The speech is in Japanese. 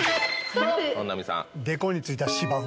本並さん。